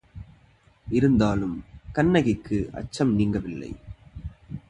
இருந்தாலும் கண்ணகிக்கு அச்சம் நீங்கவில்லை.